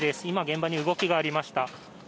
今、現場に動きがありました。